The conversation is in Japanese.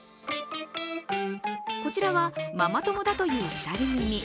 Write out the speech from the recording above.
こちらはママ友だという２人組。